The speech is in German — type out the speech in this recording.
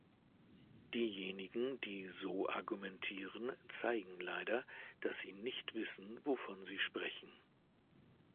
Diejenigen, die so argumentieren, zeigen leider, dass sie nicht wissen, wovon sie sprechen.